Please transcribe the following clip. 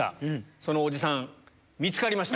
そのおじさん、見つかりました。